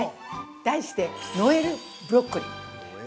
題してノエルブロッコリー。